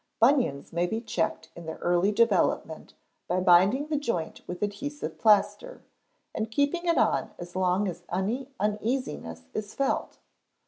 Bunions may be checked in their early development by binding the joint with adhesive plaster, and keeping it on as long as any uneasiness is felt.